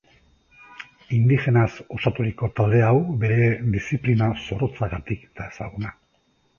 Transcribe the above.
Indigenaz osaturiko talde hau bere diziplina zorrotzagatik da ezaguna.